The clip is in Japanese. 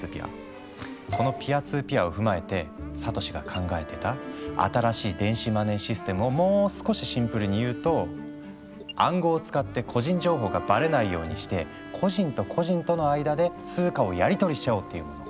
このＰ２Ｐを踏まえてサトシが考えてた「新しい電子マネーシステム」をもう少しシンプルに言うと「暗号を使って個人情報がばれないようにして個人と個人との間で通貨をやりとりしちゃおう」っていうもの。